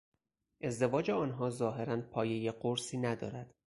ازدواج آنها ظاهرا پایهی قرصی ندارد.